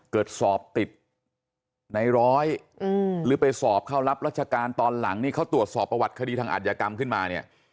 สอบติดในร้อยหรือไปสอบเข้ารับรัชการตอนหลังนี่เขาตรวจสอบประวัติคดีทางอัธยกรรมขึ้นมาเนี่ย